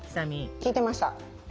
聞いてました。